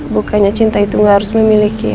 bukannya cinta itu gak harus memiliki